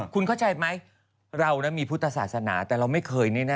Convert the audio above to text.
คุณเข้าใจไหมเรามีพุทธศาสนาแต่เราไม่เคยแน่